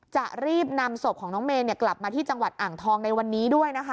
จะรีบนำศพของน้องเมย์กลับมาที่จังหวัดอ่างทองในวันนี้ด้วยนะคะ